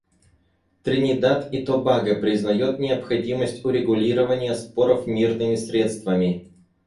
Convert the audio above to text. Тринидад и Тобаго признает необходимость урегулирования споров мирными средствами.